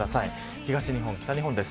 東日本、北日本です。